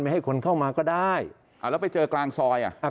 ให้คนเข้ามาก็ได้อ่าแล้วไปเจอกลางซอยอ่ะ